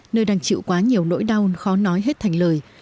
nơi đang chịu quá nhiều nỗi đau khó nói hết thành lời